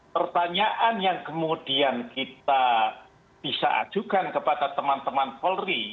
pertanyaan yang kemudian kita bisa ajukan kepada teman teman polri